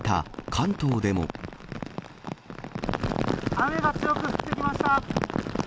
雨が強く降ってきました。